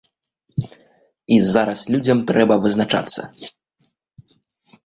І зараз людзям трэба вызначацца.